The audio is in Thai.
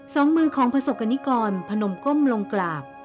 สองมือของประสบกรณิกรพนมก้มลงกราบ